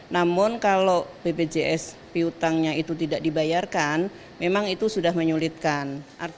namun kalau bpjs piutangnya itu tidak dibayarkan memang itu sudah menyulitkan